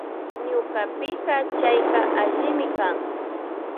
Ñukapika chayka allimi kan